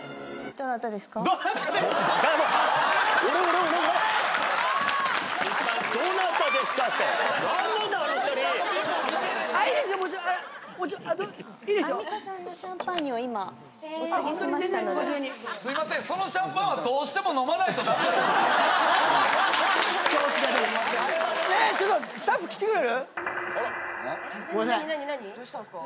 どうしたんですか？